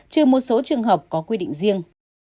trừ một số trường hợp có quy định riêng